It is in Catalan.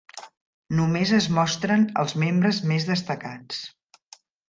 Només es mostren els membres més destacats.